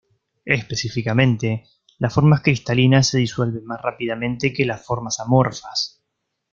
Específicamente, las formas cristalinas se disuelven más rápidamente que las formas amorfas.